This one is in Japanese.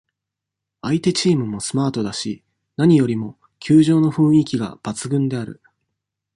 相手チームもスマートだし、何よりも、球場の雰囲気が抜群である。